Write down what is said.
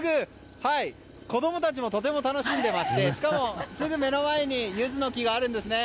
子供たちもとても楽しんでいましてしかもすぐ目の前にユズの木があるんですね。